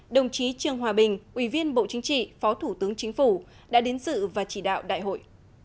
đồng chí trương hòa bình ủy viên bộ chính trị phó thủ tướng chính phủ đã đến sự và chỉ đạo đại hội